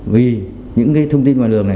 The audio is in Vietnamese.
vì những thông tin ngoài luồng